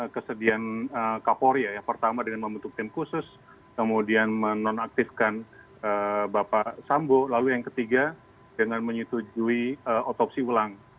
kesedihan kapolri ya pertama dengan membentuk tim khusus kemudian menonaktifkan bapak sambo lalu yang ketiga dengan menyetujui otopsi ulang